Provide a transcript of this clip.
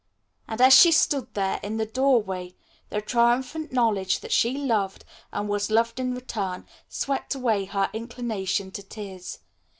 And, as she stood there in the doorway, the triumphant knowledge that she loved and was loved in return swept away her inclination to tears.